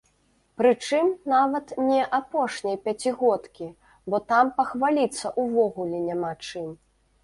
Прычым, нават не апошняй пяцігодкі, бо там пахваліцца ўвогуле няма чым.